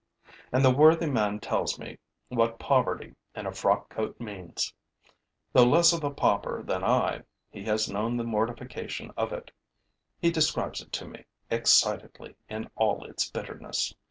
And the worthy man tells me what poverty in a frock coat means. Though less of a pauper than I, he has known the mortification of it; he describes it to me, excitedly, in all its bitterness.